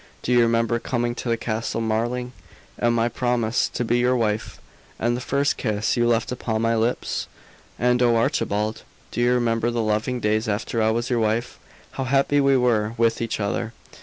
Do you remember coming to Castle Marling? and my promise to be your wife and the first kiss you left upon my lips? And, oh, Archibald! Do you remember the loving days after I was your wife how happy we were with each other?